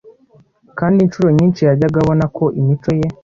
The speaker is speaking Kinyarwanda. kandi incuro nyinshi yajyaga abona ko imico ye